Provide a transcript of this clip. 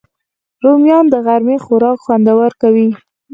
رومیان د غرمې خوراک خوندور کوي